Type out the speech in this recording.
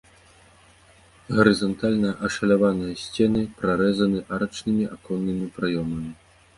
Гарызантальна ашаляваныя сцены прарэзаны арачнымі аконнымі праёмамі.